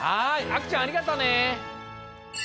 あきちゃんありがとね！